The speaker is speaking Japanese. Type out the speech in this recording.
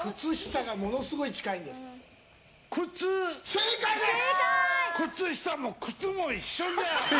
正解です！